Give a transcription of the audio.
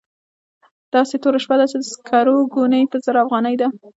داسې توره شپه ده چې د سکرو ګونۍ په زر افغانۍ ده.